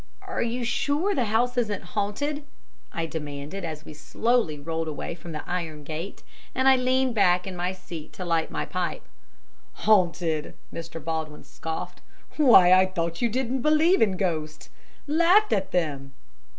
"Are you sure the house isn't haunted?" I demanded, as we slowly rolled away from the iron gate, and I leaned back in my seat to light my pipe. "Haunted!" Mr. Baldwin scoffed, "why, I thought you didn't believe in ghosts laughed at them."